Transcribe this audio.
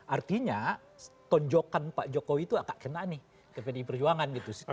artinya tonjokan pak jokowi itu agak kena nih ke pdi perjuangan gitu